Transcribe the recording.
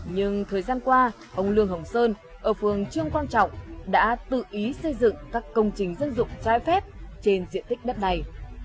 nhưng thời gian qua ông lương hồng sơn ở phương trương quang trọng đã tự ý xây dựng các công trình dân dụng trái phép trên diện tích đất này